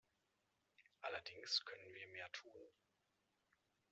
Allerdings können wir mehr tun.